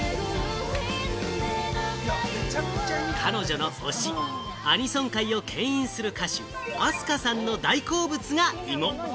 彼女の推し、アニソン界をけん引する歌手・ＡＳＣＡさんの大好物が、芋。